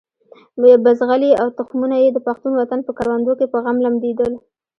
بزغلي او تخمونه یې د پښتون وطن په کروندو کې په غم لمدېدل.